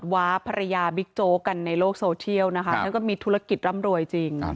วาภรรยาบิ๊กโจ๊กกันในโลกโซเชียลนะคะแล้วก็มีธุรกิจร่ำรวยจริง